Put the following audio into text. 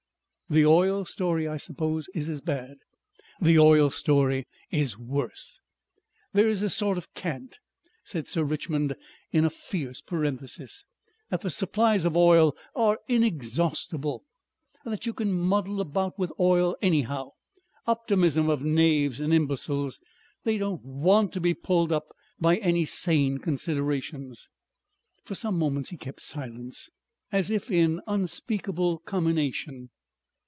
"The oil story, I suppose, is as bad." "The oil story is worse.... "There is a sort of cant," said Sir Richmond in a fierce parenthesis, "that the supplies of oil are inexhaustible that you can muddle about with oil anyhow.... Optimism of knaves and imbeciles.... They don't want to be pulled up by any sane considerations...." For some moments he kept silence as if in unspeakable commination.